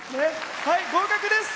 合格です。